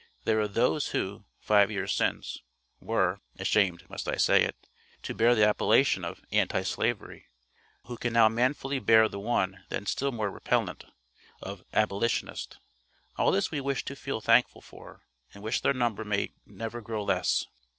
There are those who, five years since, were (ashamed, must I say it!) to bear the appellation of "Anti slavery," who can now manfully bear the one then still more repellant of Abolitionist. All this we wish to feel thankful for, and wish their number may never grow less.